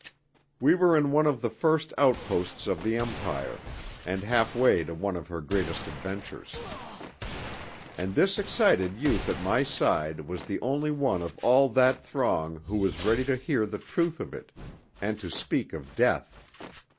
We were in one of the first outposts of the Empire, and halfway to one of her greatest adventures. And this excited youth at my side was the only one of all that throng who was ready to hear the truth of it, and to speak of death.